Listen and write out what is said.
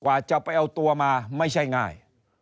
กว่าจะไปเอาตัวมาไม่ใช่ง่าย